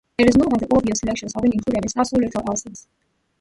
It's not that the obvious selections aren't included, it's that so little else is.